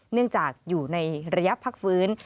เนื่องจากอยู่ในระยะพักฟื้น